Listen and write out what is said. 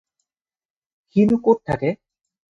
সিনো ক'ত থাকে?